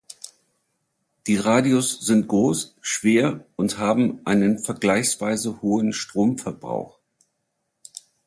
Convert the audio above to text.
Die Radios sind groß, schwer und haben einen vergleichsweise hohen Stromverbrauch.